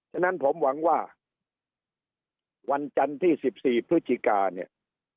ฉะนั้นผมหวังว่าวันจันทร์ที่๑๔พฤศจิกาเนี่ย